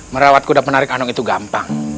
merawat kuda menarik andong itu gampang